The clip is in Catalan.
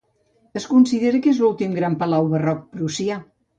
Es considera que és l'últim gran palau barroc prussià.